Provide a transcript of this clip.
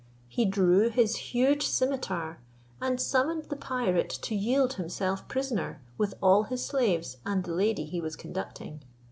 He drew his huge scimitar, and summoned the pirate to yield himself prisoner, with all his slaves, and the lady he was conducting.